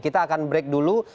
kita akan break dulu